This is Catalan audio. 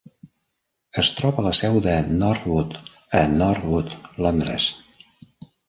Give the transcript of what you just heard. Es troba a la seu de Northwood a Northwood, Londres.